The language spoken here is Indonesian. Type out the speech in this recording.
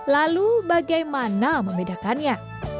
lalu bagaimana membedakannya